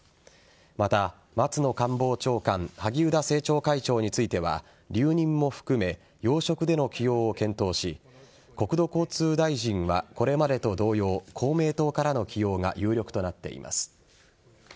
また、松野官房長官萩生田政調会長については留任も含め要職での起用を検討し国土交通大臣はこれまでと同様公明党からの起用が有力となっています。